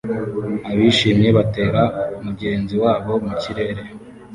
Abishimye batera mugenzi wabo mukirere